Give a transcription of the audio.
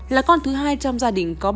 là con thứ hai trong gia đình có bà